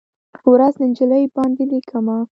ورځ، نجلۍ باندې لیکمه